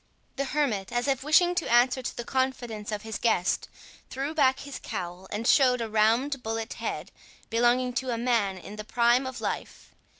The hermit, as if wishing to answer to the confidence of his guest, threw back his cowl, and showed a round bullet head belonging to a man in the prime of life.